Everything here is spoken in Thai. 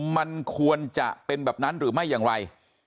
มันควรจะเป็นแบบนั้นหรือไม่อย่างไร